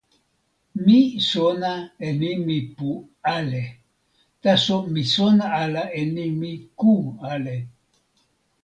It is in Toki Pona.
mi sona e nimi pu ale. taso mi sona ala e nimi ku ale.